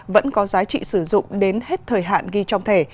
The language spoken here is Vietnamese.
vẫn có giá trị sử dụng đến hết thời hạn ghi trong thẻ